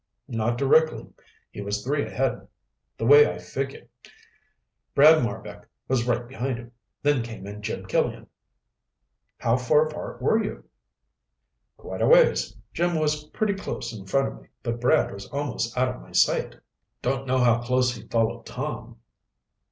"Not directly. He was three ahead, the way I figure. Brad Marbek was right behind him, then came Jim Killian." "How far apart were you?" Rick inquired. "Quite a ways. Jim was pretty close in front of me, but Brad was almost out of my sight. Don't know how close he followed Tom."